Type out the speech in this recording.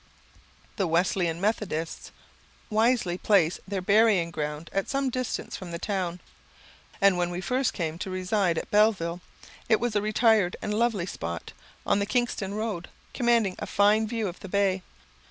The Wesleyan Methodists wisely placed their burying ground at some distance from the town; and when we first came to reside at Belleville, it was a retired and lovely spot, on the Kingston road, commanding a fine view of the bay.